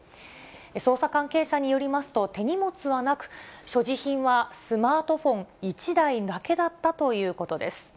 捜査関係者によりますと、手荷物はなく、所持品はスマートフォン１台だけだったということです。